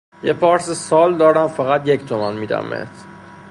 یه پارس سال دارم فقط یک تومن میدم بهت